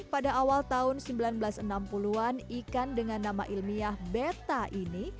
pada awal tahun seribu sembilan ratus enam puluh an ikan dengan nama ilmiah beta ini